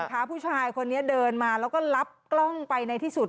ผู้ชายคนนี้เดินมาแล้วก็รับกล้องไปในที่สุด